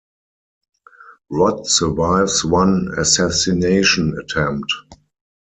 Rod survives one assassination attempt.